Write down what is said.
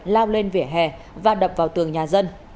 lao lên vỉa hè và đập vào tường nhà dân